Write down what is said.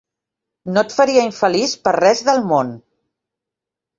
No et faria infeliç per res del món!